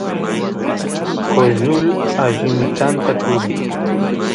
coshul allimitanta purin